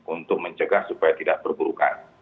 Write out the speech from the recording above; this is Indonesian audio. untuk mencegah supaya tidak perburukan